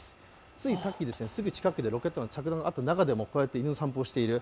ついさっき、すぐ近くでロケット弾が着弾した中で散歩をしている。